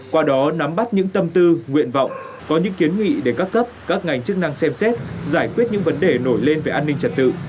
qua đó nắm bắt những tâm tư nguyện vọng có những kiến nghị để các cấp các ngành chức năng xem xét giải quyết những vấn đề nổi lên về an ninh trật tự